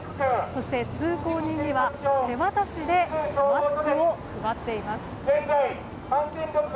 そして、通行人には手渡しでマスクを配っています。